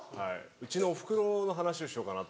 うちのお袋の話をしようかなと。